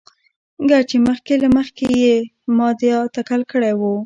ګر چې مخکې له مخکې يې ما دا اتکل کړى وو.